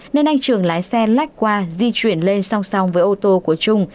nên anh trường lái xe lách qua di chuyển lên song song với ô tô của trung